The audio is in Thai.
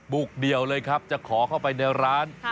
เดี่ยวเลยครับจะขอเข้าไปในร้าน